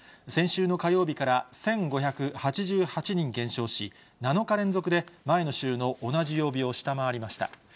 先週の火曜日から１５８８人減少し、７日連続で前の週の同じ曜日を下回りました。